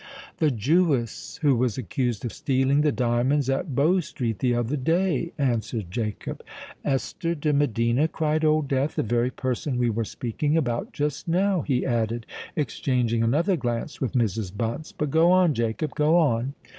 "The Jewess who was accused of stealing the diamonds at Bow Street the other day," answered Jacob. "Esther de Medina!" cried Old Death. "The very person we were speaking about just now!" he added, exchanging another glance with Mrs. Bunce. "But go on, Jacob—go on."